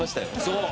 そう。